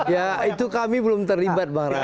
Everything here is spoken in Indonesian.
ya itu kami belum terlibat marah